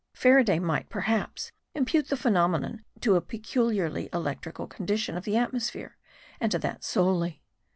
Faraday might, perhaps, impute the phenomenon to a peculiarly electrical condition of the atmosphere ; and to that solely.